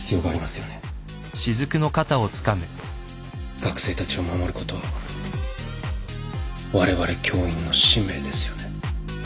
学生たちを守ることはわれわれ教員の使命ですよね。